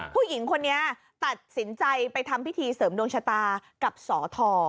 ผู้หญิงคนนี้ตัดสินใจไปทำพิธีเสริมดวงชะตากับสอท